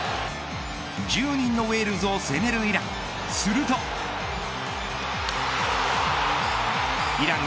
１０人のウェールズを攻めるイラン。